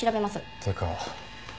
ってか